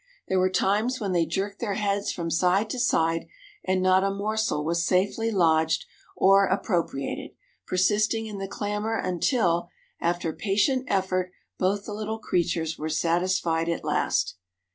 There were times when they jerked their heads from side to side and not a morsel was safely lodged or appropriated, persisting in the clamor until, after patient effort, both little creatures were satisfied at last.